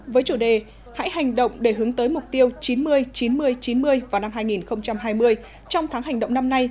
với chủ đề hãy hành động để hướng tới mục tiêu chín mươi chín mươi chín mươi vào năm hai nghìn hai mươi trong tháng hành động năm nay